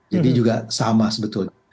jadi juga sama sebetulnya